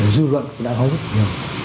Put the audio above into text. dư luận cũng đã nói rất nhiều